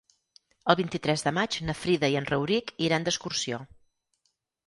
El vint-i-tres de maig na Frida i en Rauric iran d'excursió.